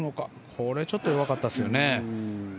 これはちょっと弱かったですね。